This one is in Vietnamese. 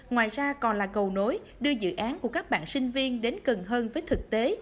ngoài ra còn là cầu nối đưa dự án của các bạn sinh viên đến gần hơn với thực tế